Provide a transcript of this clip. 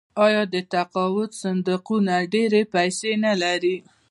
آیا د تقاعد صندوقونه ډیرې پیسې نلري؟